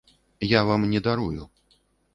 Я вам не дарую.